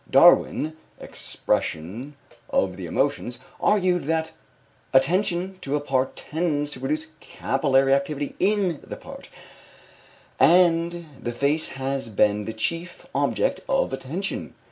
Darwin (Expression of the Emotions) argued that attention to a part tends to produce capillary activity in the part, and that the face has been the chief object of attention.